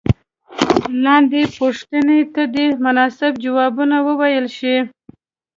لاندې پوښتنو ته دې مناسب ځوابونه وویل شي.